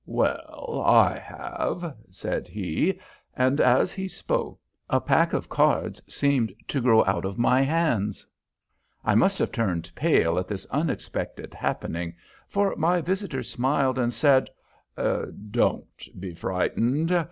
"Well, I have," said he, and as he spoke, a pack of cards seemed to grow out of my hands. I must have turned pale at this unexpected happening, for my visitor smiled, and said: "Don't be frightened.